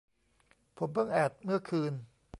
ผมเพิ่งแอดเมื่อคืน